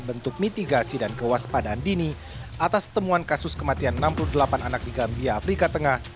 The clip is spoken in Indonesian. bentuk mitigasi dan kewaspadaan dini atas temuan kasus kematian enam puluh delapan anak di gambia afrika tengah